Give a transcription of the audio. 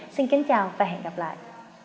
xin chào và hẹn gặp lại